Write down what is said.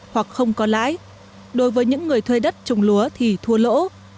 hoặc không có lãi đối với những người thuê đất trồng lúa thì thua lỗ